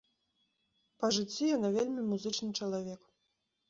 Па жыцці яна вельмі музычны чалавек.